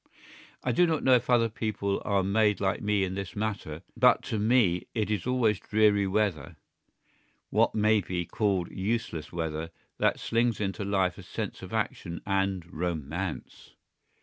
I do not know if other people are made like me in this matter; but to me it is always dreary weather, what may be called useless weather, that slings into life a sense of action and romance.